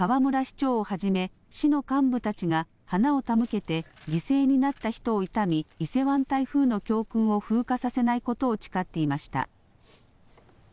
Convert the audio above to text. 長をはじめ市の幹部たちが花を手向けて犠牲になった人を悼み、伊勢湾台風の教訓を風化させないことを誓っていました。